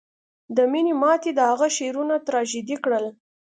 د مینې ماتې د هغه شعرونه تراژیدي کړل